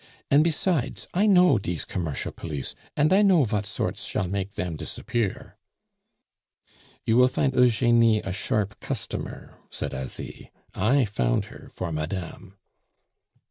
"An' besides, I know dese commercial police, an' I know vat sorts shall make dem disappear." "You will find Eugenie a sharp customer," said Asie. "I found her for madame."